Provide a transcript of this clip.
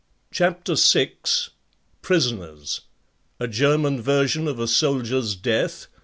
CHAPTER VI PRISONERS A German Version of a Soldier's Death!